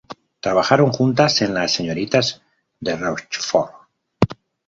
Trabajaron juntas en "Las señoritas de Rochefort".